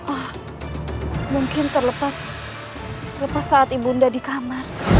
oh mungkin terlepas saat ibu sudah di kamar